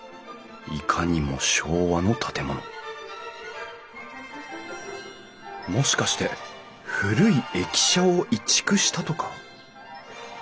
いかにも昭和の建物もしかして古い駅舎を移築したとか？